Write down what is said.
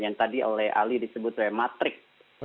yang tadi oleh ali disebut oleh matrik